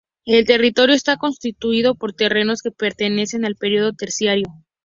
El territorio está constituido por terrenos que pertenecen al periodo terciario.